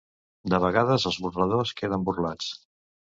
De vegades els burladors queden burlats.